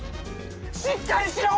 しっかりしろ！